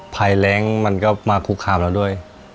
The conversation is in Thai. ภัยแรงมันก็มาคุกคามเราด้วย